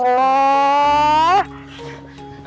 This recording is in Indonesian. eh ngapain lo mau meluk bang udin